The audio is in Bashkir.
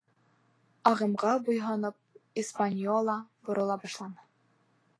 Ағымға буйһоноп, «Испаньола» борола башланы.